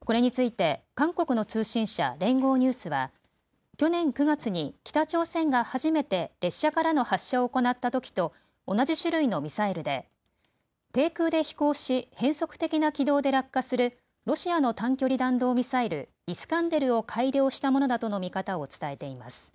これについて韓国の通信社、連合ニュースは去年９月に北朝鮮が初めて列車からの発射を行ったときと同じ種類のミサイルで低空で飛行し、変則的な軌道で落下するロシアの短距離弾道ミサイル、イスカンデルを改良したものだとの見方を伝えています。